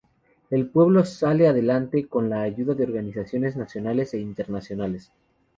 El pueblo sale adelante con la ayuda de organizaciones nacionales e internacionales.